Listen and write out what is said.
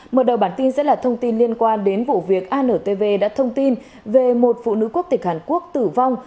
mở đầu bản tin sẽ là thông tin liên quan đến vụ việc antv đã thông tin về một phụ nữ quốc tịch hàn quốc tử vong